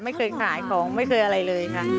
ไม่เคยขายของไม่เคยอะไรเลยค่ะ